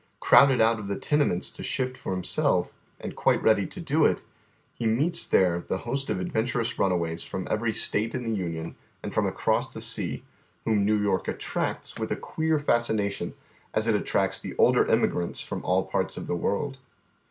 Crowded out of the tenements to shift for himself, and quite ready to do it, he meets there the host of adventuj'OQS j unaways from every State in tlie Union and from across the sea, whom New York attracts with a queer fascination, as it attracts the older emigrants from all parts of the world.